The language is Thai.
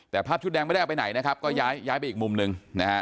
แต่ภาพชุดแดงไม่ได้เอาไปไหนก็ย้ายไปอีกมุมหนึ่ง